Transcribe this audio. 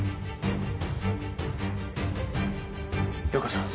涼子さん。